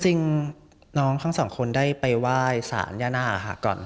จริงน้องทั้งสองคนได้ไปไหว้สารย่าหน้าค่ะ